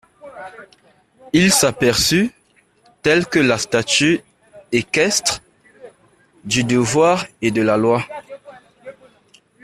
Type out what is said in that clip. Il s'aperçut, tel que la statue équestre, du devoir et de la Loi!